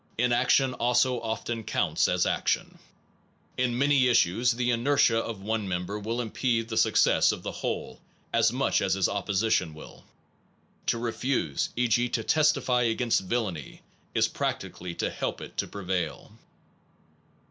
Inaction also often counts as action. In many issues the inertia of one member will impede the success of the whole as much as his opposition will. To refuse, e. g. 9 to testify against villainy, is practically to help it to prevail.